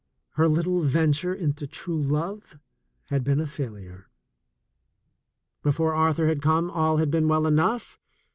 Her little venture into true lov^ had been such a failure. Before Arthur had comr^ll had been well enough.